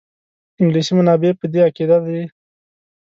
انګلیسي منابع په دې عقیده دي.